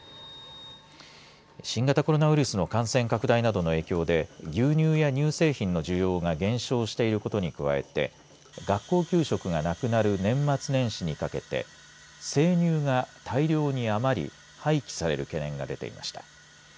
新型コロナウイルスの感染拡大などの影響で牛乳や乳製品の需要が減少していることに加えて学校給食がなくなる年末年始にかけて生乳が大量に余り廃棄される懸念が出ていました。